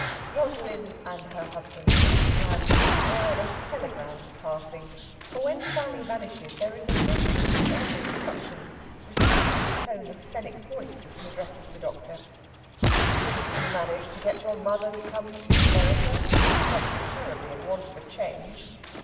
Rosalind and her husband seem to have wireless telegrams passing. For when Sally vanishes there is a ring as of instruction received in the tone of Fenwick's voice as he addresses the doctor: "Couldn't you manage to get your mother to come too, Vereker? She must be terribly in want of a change."